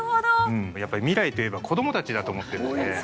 やっぱり未来といえば子供たちだと思ってるんで。